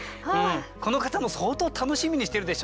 この方も相当楽しみにしてるでしょうね。